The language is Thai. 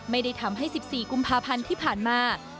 ไม่ได้ทำให้๑๔กุมภาพันธ์ที่ผ่านมา